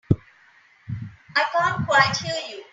I can't quite hear you.